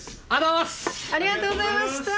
ありがとうございます！